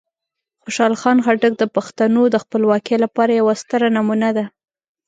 خوشحال خان خټک د پښتنو د خپلواکۍ لپاره یوه ستره نمونه ده.